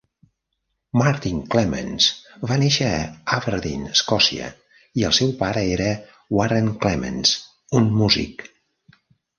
Martin Clemens va néixer a Aberdeen, Escòcia, i el seu pare era Warren Clemens, un músic.